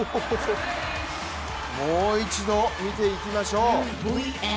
もう一度、見ていきましょう。